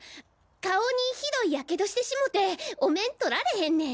顔にひどい火傷してしもてお面とられへんねん！